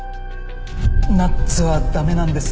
ナッツは駄目なんです。